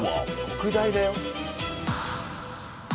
特大だよ？